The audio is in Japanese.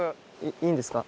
いいんですか？